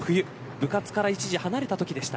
部活から一時離れた瞬間でした。